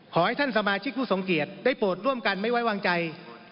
ขอให้ท่านสมาชิกผู้ทรงเกียจได้โปรดร่วมกันไม่ไว้วางใจ